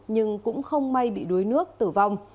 nhưng cũng không may bị đuối nước tử vong